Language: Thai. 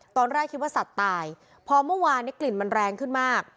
ตอนแรกคิดว่าสัตว์ตายพอเมื่อวานนี้กลิ่นมันแรงขึ้นมาก